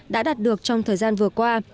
đã đạt được trong thời gian vừa qua